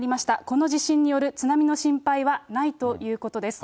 この地震による津波の心配はないということです。